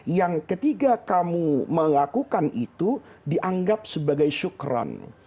yang ketika kamu melakukan itu dianggap sebagai syukran